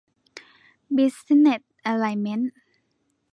บิสซิเนสอะไลเม้นท์